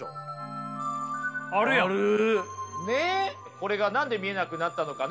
これが何で見えなくなったのかね？